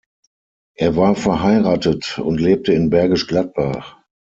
Er war verheiratet und lebte in Bergisch Gladbach.